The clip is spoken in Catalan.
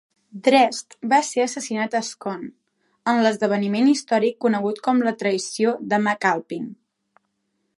Drest va ser assassinat a Scone, en l'esdeveniment històric conegut com la traïció de MacAlpin.